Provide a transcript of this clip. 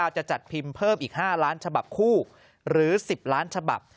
จะจัดพิมพ์เพิ่มอีก๕ล้านฉบับคู่หรือ๑๐ล้านฉบับ